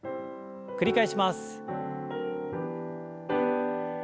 繰り返します。